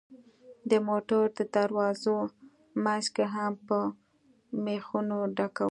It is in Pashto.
د موټر د دروازو منځ هم په مېخونو ډکوو.